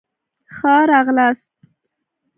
ښه را غلاست